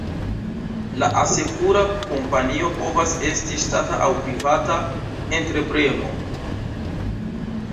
La asekura kompanio povas esti ŝtata aŭ privata entrepreno.